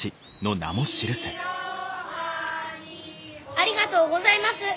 ありがとうございます。